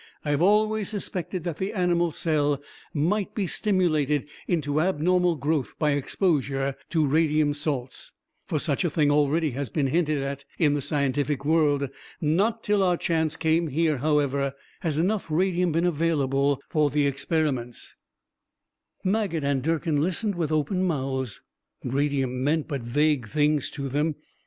I have always suspected that the animal cell might be stimulated into abnormal growth by exposure to radium salts, for such a thing already has been hinted at in the scientific world. Not till our chance came here, however, has enough radium been available for the experiments." Maget and Durkin listened with open mouths. Radium meant but vague things to them.